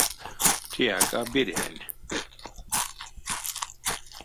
Теяк а берянь.